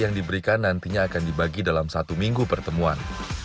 yang diberikan nantinya akan dibagi dalam satu minggu pertemuan